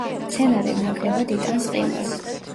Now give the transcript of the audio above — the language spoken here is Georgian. მცენარე ნაკლებად იტანს ყინვას.